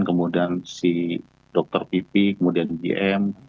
kemudian si dokter pipi kemudian gm